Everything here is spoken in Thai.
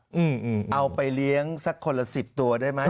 เอาไปเลี้ยงสักคนละสิบตัวได้ไหม